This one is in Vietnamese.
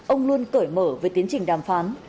ông luôn cởi mở về tiến trình đàm phán